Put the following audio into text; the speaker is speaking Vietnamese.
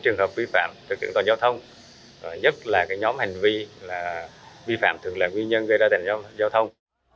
trường hợp vi phạm các lỗi chủ yếu là chạy qua tốc độ và vi phạm về nồng độ ôn